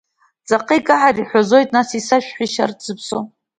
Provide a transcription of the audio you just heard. Ҵаҟа икаҳар иҳәазоит, нас исашәҳәеишь арҭ зыԥсо?